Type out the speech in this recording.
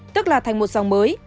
tức là thành một dòng mới